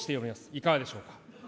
いかがでしょうか。